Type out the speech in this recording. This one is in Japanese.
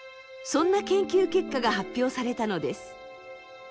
そんな研究結果が発表されたのです。